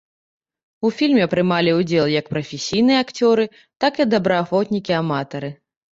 У фільме прымалі ўдзел як прафесійныя акцёры, так і добраахвотнікі-аматары.